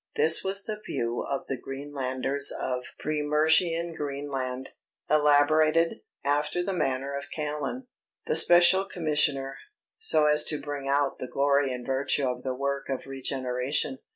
This was the view of the Greenlanders of pre Merschian Greenland, elaborated, after the manner of Callan the Special Commissioner so as to bring out the glory and virtue of the work of regeneration.